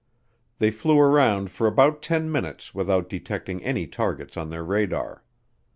They flew around for about ten minutes without detecting any targets on their radar.